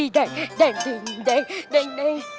si bos ga akan kembali